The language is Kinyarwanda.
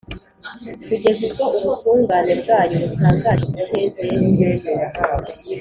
kugeza ubwo ubutungane bwayo butangaje nk’icyezezi,